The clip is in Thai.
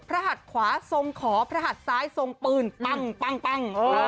หัดขวาทรงขอพระหัดซ้ายทรงปืนปั้ง